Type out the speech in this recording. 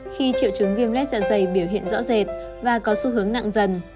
khi triệu chứng viêm lết dạ dày biểu hiện rõ rệt và có xu hướng nặng dần